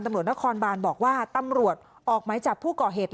ตำรวจนครบานบอกว่าตำรวจออกไม้จับผู้ก่อเหตุ